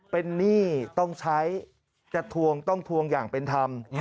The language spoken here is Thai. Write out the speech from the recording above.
เป็นหนี้ต้องใช้จะทวงต้องทวงอย่างเป็นธรรม